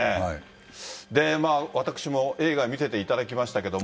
で、私も映画見せていただきましたけども。